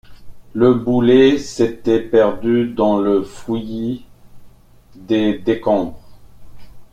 Le boulet s’était perdu dans le fouillis des décombres.